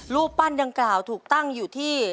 รูปปั้นดังกล่าวถูกตั้งอยู่ที่